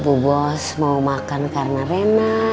bu bos mau makan karena rena